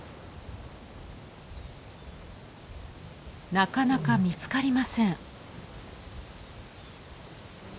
なかなか見つかりません。